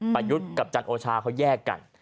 ประยุทธ์กับจันโอชาเขาแยกกัน